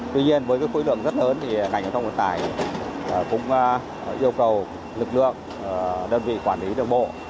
tuy nhiên với khối lượng rất lớn thì ngành đồng tài cũng yêu cầu lực lượng đơn vị quản lý đường bộ